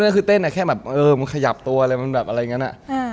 คือเต้นแค่แบบเออมันขยับตัวอะไรมันแบบอะไรอย่างเงี้ย